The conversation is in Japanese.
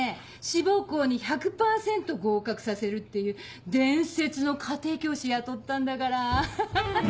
志望校に１００％合格させるっていう伝説の家庭教師雇ったんだからアハハハ。